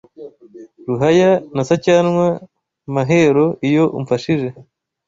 Ruhaya na Sacyanwa Mahero iyo umfashije